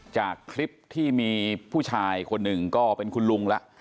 จากคลิปที่มีผู้ชายคนหนึ่งก็เป็นคุณลุงแล้ว